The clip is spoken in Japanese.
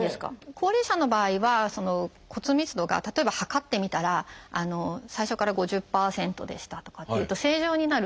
高齢者の場合は骨密度が例えば測ってみたら最初から５０％でしたとかっていうと正常になる